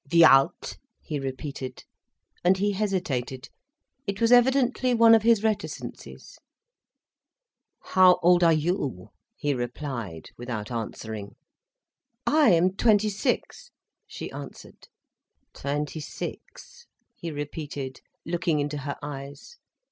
"Wie alt?" he repeated. And he hesitated. It was evidently one of his reticencies. "How old are you?" he replied, without answering. "I am twenty six," she answered. "Twenty six," he repeated, looking into her eyes.